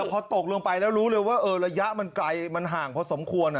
พอตกลงไปแล้วรู้เลยว่าระยะมันไกลมันห่างพอสมควร